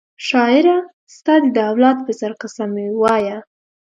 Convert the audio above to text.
شاعره ستا دي د اولاد په سر قسم وي وایه